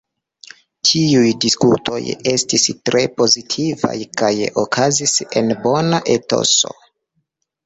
Tiuj diskutoj estis tre pozitivaj kaj okazis en bona etoso.